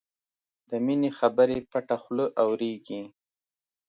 د مینې خبرې پټه خوله اورېږي